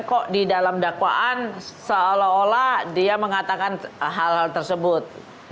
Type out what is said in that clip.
kok di dalam dakwaan seolah olah dia mengatakan hal hal tersebut